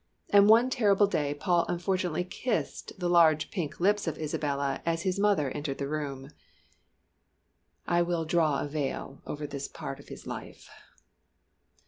And one terrible day Paul unfortunately kissed the large pink lips of Isabella as his mother entered the room. I will draw a veil over this part of his life.